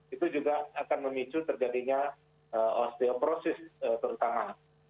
itu juga akan memicu terjadinya osteoporosis terutama